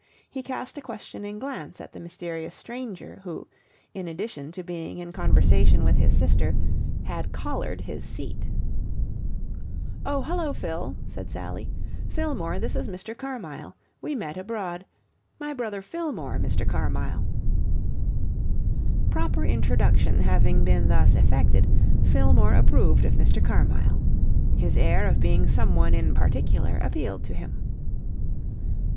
He cast a questioning glance at the mysterious stranger, who, in addition to being in conversation with his sister, had collared his seat. "Oh, hullo, Fill," said Sally. "Fillmore, this is Mr. Carmyle. We met abroad. My brother Fillmore, Mr. Carmyle." Proper introduction having been thus effected, Fillmore approved of Mr. Carmyle. His air of being someone in particular appealed to him.